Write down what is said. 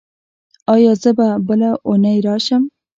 ایا زه بله اونۍ راشم؟